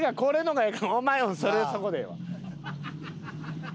お前それそこでええわ。